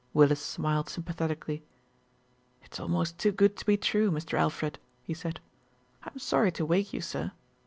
Willis smiled sympathetically. "It's almost too good to be true, Mr. Alfred," he said. "I'm sorry to wake you, sir.